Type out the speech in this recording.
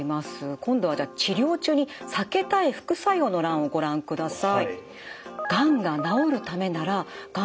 今度はじゃあ治療中に避けたい副作用の欄をご覧ください。